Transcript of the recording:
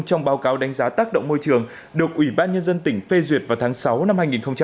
trong báo cáo đánh giá tác động môi trường được ủy ban nhân dân tỉnh phê duyệt vào tháng sáu năm hai nghìn một mươi chín